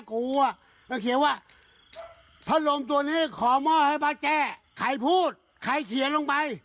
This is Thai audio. กูอ่ะไปเขียนว่าพระโรมตัวนี้ขอมอบให้พระเจ้าใครพูดใครเขียนลงไป